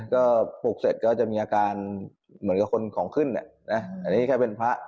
ก็ปลูกเสร็จก็จะมีอาการเหมือนกับคนของขึ้นอันนี้แค่เป็นพระ